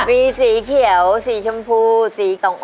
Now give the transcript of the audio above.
มีสีเขียวสีชมพูสีต่อง